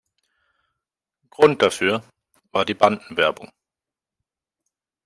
Grund dafür war die Bandenwerbung.